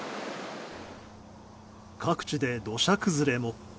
各地で土砂崩れも。